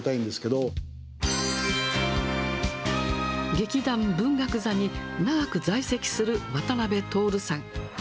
劇団・文学座に長く在籍する渡辺徹さん。